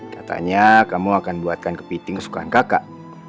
katanya kamu akan buatkan kepiting kesukaan kakak